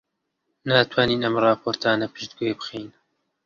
ناتوانین ئەم ڕاپۆرتانە پشتگوێ بخەین.